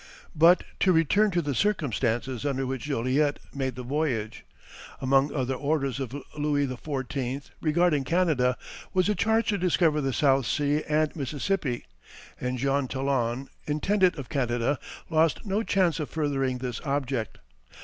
But to return to the circumstances under which Joliet made the voyage. Among other orders of Louis XIV. regarding Canada was a charge to discover the South Sea and Mississippi, and Jean Talon, Intendant of Canada, lost no chance of furthering this object.